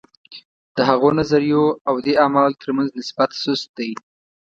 د هغو نظریو او دې اعمالو ترمنځ نسبت سست دی.